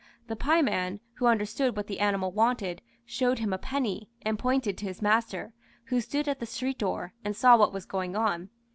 The pieman, who understood what the animal wanted, showed him a penny, and pointed to his master, who stood at the street door, and saw what was going on.